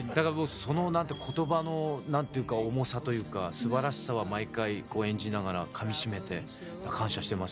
言葉の重さというか素晴らしさは毎回演じながらかみ締めて、感謝しています